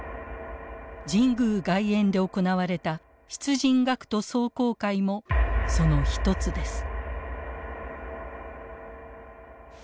神宮外苑で行われた出陣学徒壮行会もその一つです。